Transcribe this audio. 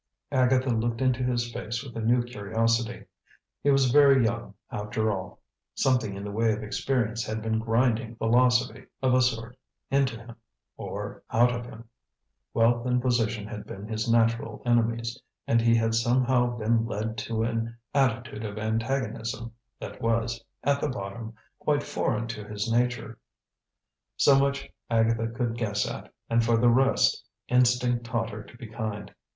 Agatha looked into his face with a new curiosity. He was very young, after all. Something in the way of experience had been grinding philosophy, of a sort, into him or out of him. Wealth and position had been his natural enemies, and he had somehow been led to an attitude of antagonism that was, at bottom, quite foreign to his nature. So much Agatha could guess at, and for the rest, instinct taught her to be kind.